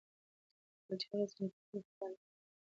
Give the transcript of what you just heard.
د پلچرخي صنعتي پارک فعال دی